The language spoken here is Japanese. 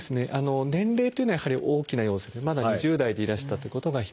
年齢というのはやはり大きな要素でまだ２０代でいらしたということが一つ。